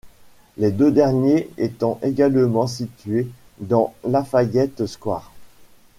Les deux derniers étant également situés dans Lafayette Square.